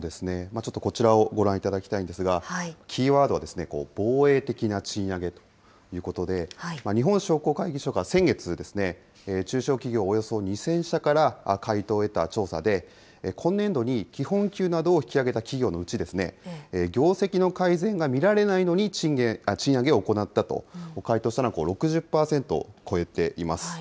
ちょっとこちらをご覧いただきたいんですが、キーワードは防衛的な賃上げということで、日本商工会議所が先月、中小企業およそ２０００社から回答を得た調査で、今年度に基本給などを引き上げた企業のうち、業績の改善が見られないのに賃上げを行ったと回答したのは６０％を超えています。